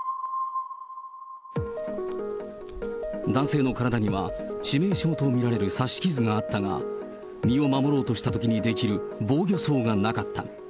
男性の体には致命傷と見られる刺し傷があったが、身を守ろうとしたときにできる防御創がなかった。